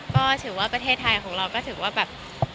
ก็ถือว่าประเทศไทยของเราก็ถือว่าแบบ